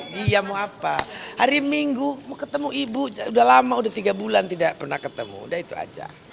dia mau apa hari minggu mau ketemu ibu udah lama udah tiga bulan tidak pernah ketemu udah itu aja